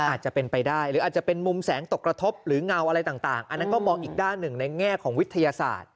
อาจจะเป็นไปได้หรืออาจจะเป็นมุมแสงตกกระทบหรือเงาอะไรต่างอันนั้นก็มองอีกด้านหนึ่งในแง่ของวิทยาศาสตร์